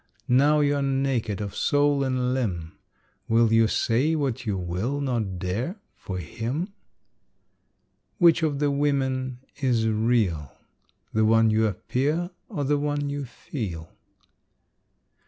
Now you are naked of soul and limb: Will you say what you will not dare for him? Which of the women is real? The one you appear, or the one you feel?